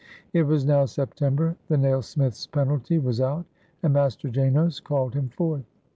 It was now September. The nailsmith's penalty was out, and Master Janos called him forth.